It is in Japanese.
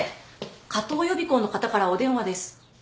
加藤予備校の方からお電話です。